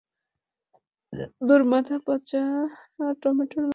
তোর মাথা পচা টমেটোর মতো লাল।